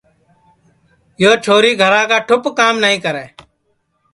یو چھوری گھرا ٹُوپ کام نائی کرے